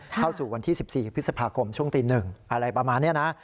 เข้าสู่วันที่สิบสี่พฤษภาคมช่วงตีหนึ่งอะไรประมาณเนี้ยนะ